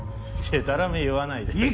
でたらめ言わないでよ。